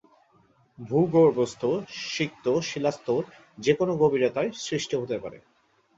ভূগর্ভস্থ সিক্ত শিলাস্তর যে কোন গভীরতায় সৃষ্টি হতে পারে।